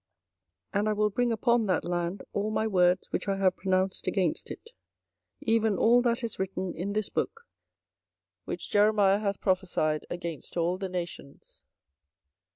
24:025:013 And I will bring upon that land all my words which I have pronounced against it, even all that is written in this book, which Jeremiah hath prophesied against all the nations.